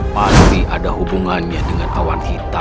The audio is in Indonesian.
masih ada hubungannya dengan awan hitam